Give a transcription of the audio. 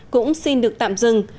cũng xin được tạm dừng